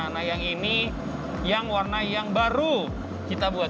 nah yang ini yang warna yang baru kita buat